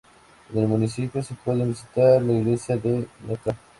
En el municipio se pueden visitar la iglesia de Ntra.